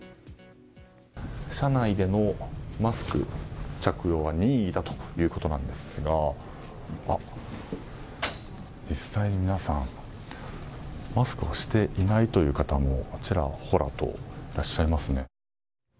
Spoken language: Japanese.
社内でのマスク着用は任意だということですが実際に皆さんマスクをしていないという方もちらほらといらっしゃいますね。